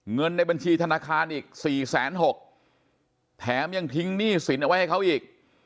เงินในบัญชีธนาคารอีก๔๖๐๐แถมยังทิ้งหนี้สินเอาไว้ให้เขาอีก